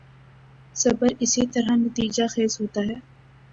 صبر اسی طرح نتیجہ خیز ہوتا ہے۔